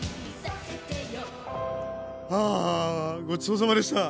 ああごちそうさまでした！